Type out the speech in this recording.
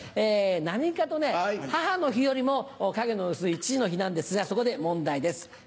何かと母の日よりも影の薄い父の日なんですがそこで問題です